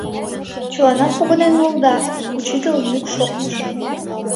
— Чыланат погынен улыда? — учитыл йӱк шоктыш.